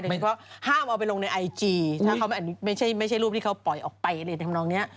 เพราะฉะนั้นเขาห้ามเอาไปลงในไอจีไม่ใช่รูปที่เขาปล่อยออกไปเลย